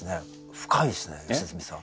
深いですね良純さん。